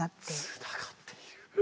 つながっている。